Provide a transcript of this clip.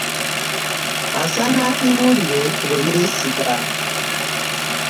Asaana akibulire ku beyesiga .